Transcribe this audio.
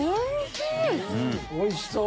おいしそう！